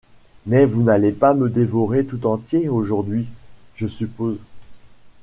Mais vous n’allez pas me dévorer tout entier aujourd’hui, je suppose!